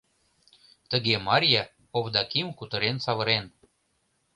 Тыге Марья Овдаким кутырен савырен.